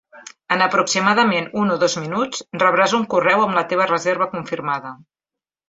En aproximadament un o dos minuts rebràs un correu amb la teva reserva confirmada.